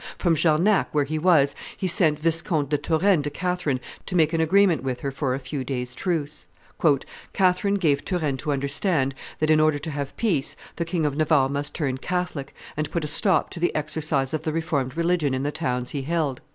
From Jarnac, where he was, he sent Viscount de Turenne to Catherine to make an agreement with her for a few days' truce. "Catherine gave Turenne to understand that, in order to have peace, the King of Navarre must turn Catholic, and put a stop to the exercise of the Reformed religion in the towns he held."